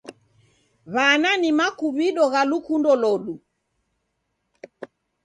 W'ana ni makuw'ido gha lukundo lodu.